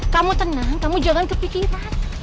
kamu tenang kamu jangan kepikiran